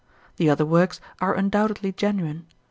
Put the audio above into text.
The other works are undoubtedly genuine.